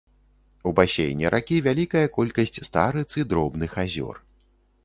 У басейне ракі вялікая колькасць старыц і дробных азёр.